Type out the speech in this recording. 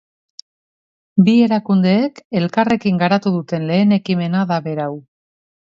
Bi erakundeek elkarrekin garatu duten lehen ekimena da berau.